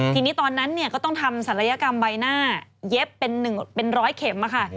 ทีนี้ตอนนั้นก็ต้องทำศัลยกรรมใบหน้าเย็บเป็นร้อยเข็มค่ะ